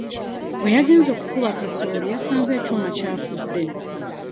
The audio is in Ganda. Bwe yagenze okukuba kasooli yasanze ekyuma kyafuddde.